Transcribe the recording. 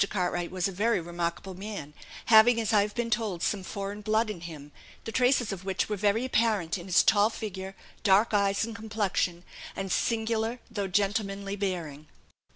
Cartwright was a very remarkable man, having, as I have been told, some foreign blood in him, the traces of which were very apparent in his tall figure, dark eyes and complexion, and singular, though gentlemanly bearing.